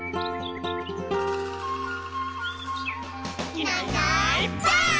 「いないいないばあっ！」